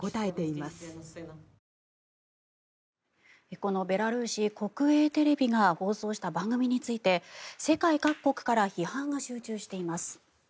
このベラルーシ国営テレビが放送した番組について世界各国から批判が集中しています。